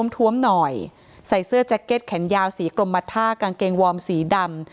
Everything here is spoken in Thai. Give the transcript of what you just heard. ท้วมหน่อยใส่เสื้อแจ็คเก็ตแขนยาวสีกรมท่ากางเกงวอร์มสีดำ